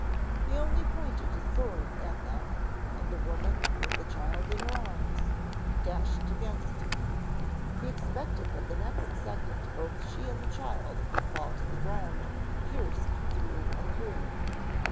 He only pointed his sword at them, and the woman, with the child in her arms, dashed against it. He expected that the next second both she and the child would fall to the ground pierced through and through.